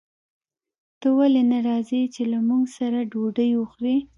ته ولې نه راځې چې له موږ سره ډوډۍ وخورې